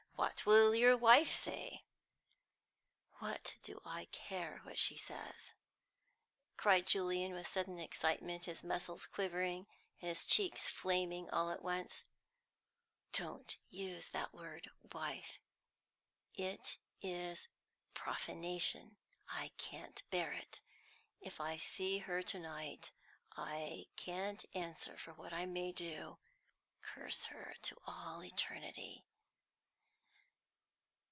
"What will your wife say?" "What do I care what she says!" cried Julian, with sudden excitement, his muscles quivering, and his cheeks flaming all at once. "Don't use that word 'wife,' it is profanation; I can't bear it! If I see her to night, I can't answer for what I may do. Curse her to all eternity!"